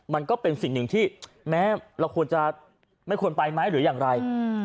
มันก็เป็นสิ่งหนึ่งที่แม้เราควรจะไม่ควรไปไหมหรืออย่างไร